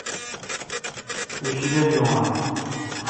تو شیدل جون آں؟